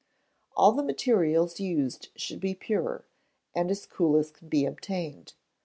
All the materials used should be pure, and as cool as can be obtained.